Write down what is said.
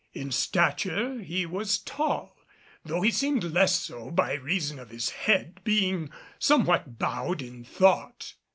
In stature he was tall, though he seemed less so by reason of his head being somewhat bowed in thought.